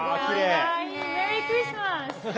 メリークリスマス。